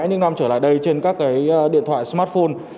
những năm trở lại đây trên các cái điện thoại smartphone